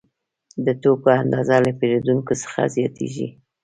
د توکو اندازه له پیرودونکو څخه زیاتېږي